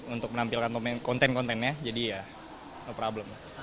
untuk menampilkan konten kontennya jadi ya problem